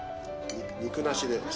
肉なしで。